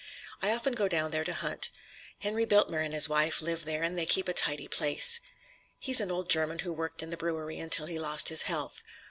I often go down there to hunt. Henry Biltmer and his wife live there and keep a tidy place. He's an old German who worked in the brewery until he lost his health.